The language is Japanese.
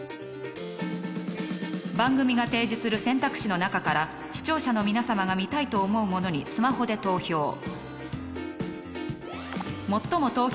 番組が提示する選択肢の中から視聴者の皆さまが見たいと思うものにスマホで投票。